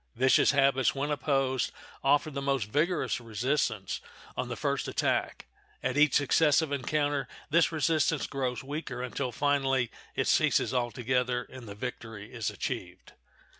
Vicious habits, when opposed, offer the most vigorous resistance on the first attack; at each successive encounter this resistance grows weaker, until, finally, it ceases altogether, and the victory is achieved.